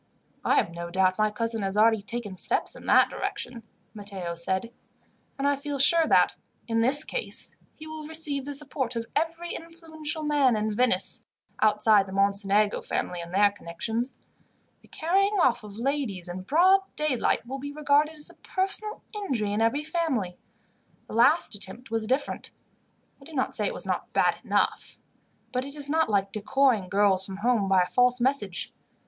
"I have no doubt my cousin has already taken steps in that direction," Matteo said, "and I feel sure that, in this case, he will receive the support of every influential man in Venice, outside the Mocenigo family and their connections. The carrying off of ladies, in broad daylight, will be regarded as a personal injury in every family. The last attempt was different. I do not say it was not bad enough, but it is not like decoying girls from home by a false message.